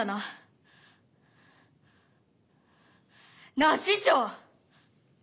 なあ師匠！